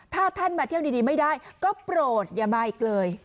ถ้าท่านมาเที่ยวดีไม่ได้ก็โปรดอย่ามาอีกเลย